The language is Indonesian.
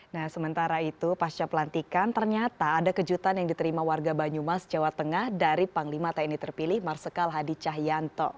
nah sementara itu pasca pelantikan ternyata ada kejutan yang diterima warga banyumas jawa tengah dari panglima tni terpilih marsikal hadi cahyanto